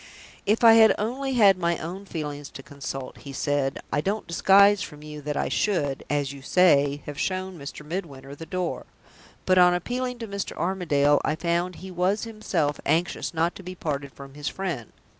"If I had only had my own feelings to consult," he said, "I don't disguise from you that I should (as you say) have shown Mr. Midwinter the door. But on appealing to Mr. Armadale, I found he was himself anxious not to be parted from his friend.